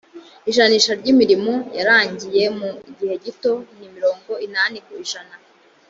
ijanisha ry’imirimo yarangiye mu gihe gito ni mirongo inani ku ijana